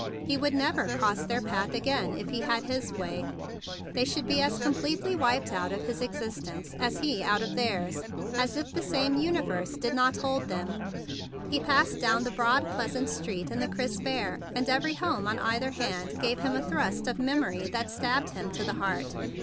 He would never cross their path again if he had his way. They should be as completely wiped out of his existence and he out of theirs as if the same uni¬ verse did not hold them. He passed down the broad, pleasant street in the crisp air, and every home on either hand gave him a thrust of memory that stabbed him to the heart.